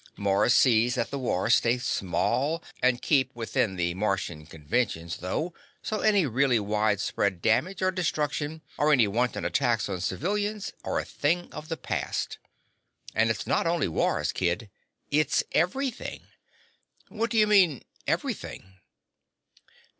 Mars sees that the wars stay small and keep within the Martian Conventions, though, so any really widespread damage or destruction, or any wanton attacks on civilians, are a thing of the past. And it's not only wars, kid. It's everything." "What do you mean, everything?"